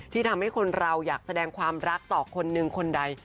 ทำให้คนเราอยากแสดงความรักต่อคนหนึ่งคนใด